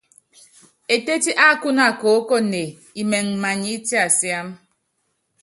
Etétí ákúna koókoné imɛŋ many itiasiám.